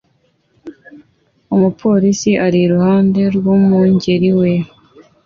Umupolisi ari iruhande rwumwungeri we